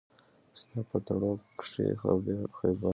ستا په تړو کښې خېبره